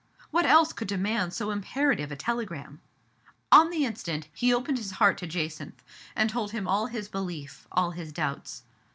What else could de mand so imperative a telegram ? On the instant he opened his heart to Jacynth, and told him all his belief, all his doubts.